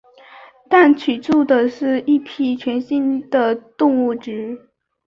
但此居住的是一批全新的动植物。